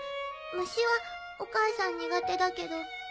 虫はお母さん苦手だけど。